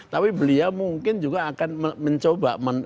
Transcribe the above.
tapi beliau mungkin juga akan mencoba